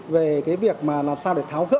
về việc làm sao để tháo gỡ